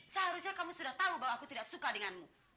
seharusnya kamu sudah tahu bahwa aku tidak suka denganmu